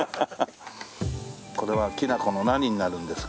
これはきな粉の何になるんですか？